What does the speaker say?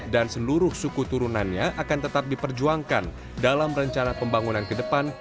dan seluruh suku turunannya akan tetap diperjuangkan dalam rencana pembangunan ke depan